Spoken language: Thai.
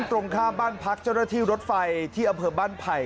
ตรงข้ามบ้านพักเจ้าหน้าที่รถไฟที่อำเภอบ้านไผ่